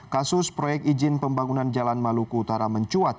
kasus proyek izin pembangunan jalan maluku utara mencuat